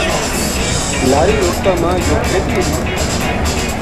لاری رُڑتاں ما یوہ کِ